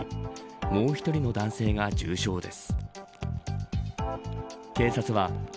もう一人の男性が重傷です。